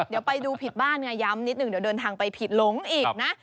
เดี๋ยวไปดูผิดบ้านไงย้ำนิดหนึ่งเดี๋ยวเดินทางไปผิดหลงอีกนะ